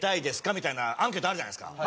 みたいなアンケートあるじゃないですか。